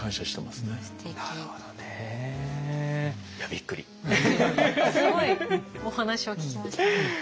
すごいお話を聞きましたね。